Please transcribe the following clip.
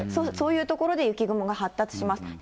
そういう所で雪雲が発達します。